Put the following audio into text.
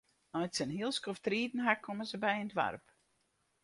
Nei't se in hiel skoft riden ha, komme se by in doarp.